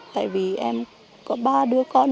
tại vì em có ba đứa con